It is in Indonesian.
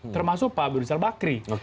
termasuk pak abudusar bakri